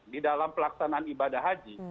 di dalam pelaksanaan ibadah haji